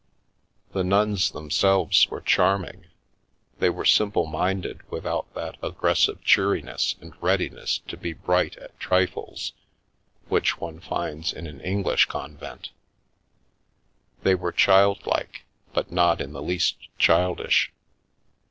The nuns themselves were charming — they were simple minded, without that aggressive cheeriness and readiness to be bright at trifles which one finds in an English convent; they were child like, but not in the least childish.